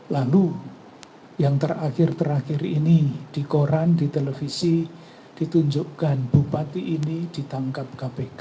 lalu yang terakhir terakhir ini di koran di televisi ditunjukkan bupati ini ditangkap kpk